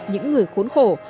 những người khốn khổ